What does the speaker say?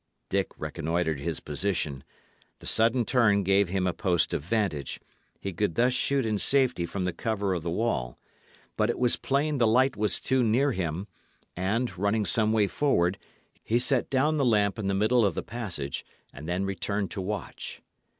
Dick reconnoitred his position. The sudden turn gave him a post of vantage. He could thus shoot in safety from the cover of the wall. But it was plain the light was too near him, and, running some way forward, he set down the lamp in the middle of the passage, and then returned to watch.